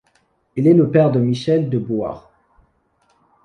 Il est le père de Michel de Boüard.